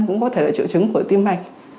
cũng có thể là triệu chứng của tim mạch